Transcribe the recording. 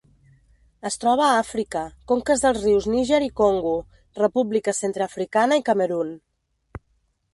Es troba a Àfrica: conques dels rius Níger i Congo, República Centreafricana i Camerun.